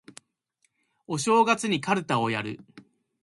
お正月にかるたをやる